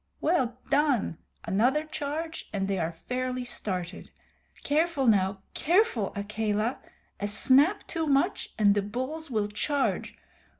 "Well done! Another charge and they are fairly started. Careful, now careful, Akela. A snap too much and the bulls will charge.